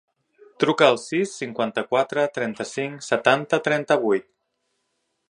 Truca al sis, cinquanta-quatre, trenta-cinc, setanta, trenta-vuit.